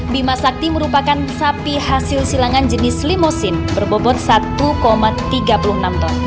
bima sakti merupakan sapi hasil silangan jenis limusin berbobot satu tiga puluh enam ton